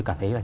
cảm thấy là